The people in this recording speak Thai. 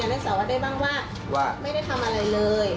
ยืนยันให้สาวเต้ยบ้างว่าไม่ได้ทำอะไรเลย